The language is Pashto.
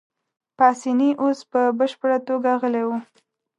پاسیني اوس په بشپړه توګه غلی وو.